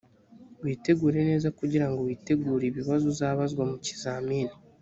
witegure neza kugira ngo witegure ibibazo uzabazwa mu kizamini